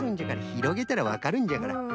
ひろげたらわかるんじゃから。